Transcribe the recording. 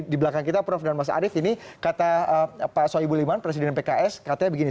di belakang kita prof dan mas arief ini kata pak soebul iman presiden pks katanya begini